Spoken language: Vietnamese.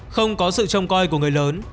không có sự trông coi của người lớn